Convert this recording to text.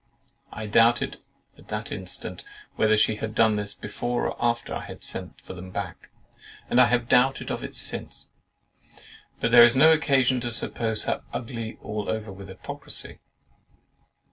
I doubted at the instant whether she had done this before or after I had sent for them back, and I have doubted of it since; but there is no occasion to suppose her UGLY ALL OVER WITH HYPOCRISY.